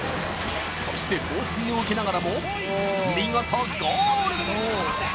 そして放水を受けながらも見事危ない！